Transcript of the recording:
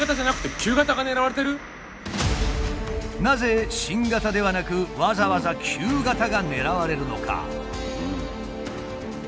なぜ新型ではなくわざわざ旧型が狙われるのか？